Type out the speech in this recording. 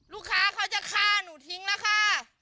ลูกค้าเขาจะฆ่าหนูทิ้งแล้วค่ะ